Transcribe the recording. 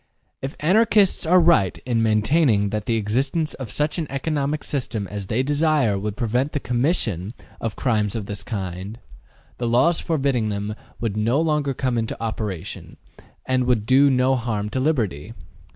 If Anarchists are right in maintaining that the existence of such an economic system as they desire would prevent the commission of crimes of this kind, the laws forbidding them would no longer come into operation, and would do no harm to liberty.